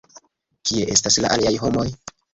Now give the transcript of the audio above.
Kie estas la aliaj homoj?